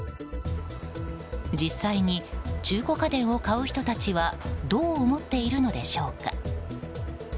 実際に中古家電を買う人たちはどう思っているのでしょうか。